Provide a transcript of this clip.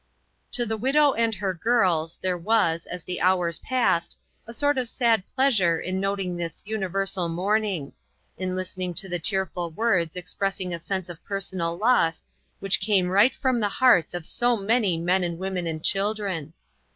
To the widow and her girls, there was, as the hours passed, a sort of sad pleasure in noting this universal mourning ; in listen ing to the tearful words expressing a sense of personal loss, which came right from the hearts of so many men and women and WHY ? 29 children.